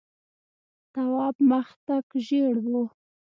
تواب مخ تک ژېړ و.